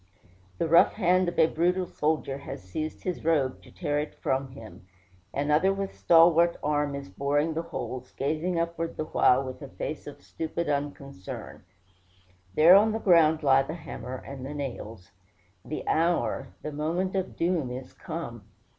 The rough hand of a brutal soldier has seized his robe to tear it from him. Another with stalwart arm is boring the holes, gazing upward the while with a face of stupid unconcern. There on the ground lie the hammer and the nails: the hour, the moment of doom is come!